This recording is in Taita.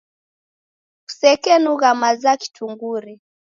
Kusekenugha maza kitungure.